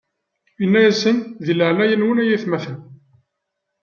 Inna-yasen: Di leɛnaya-nwen, ay atmaten!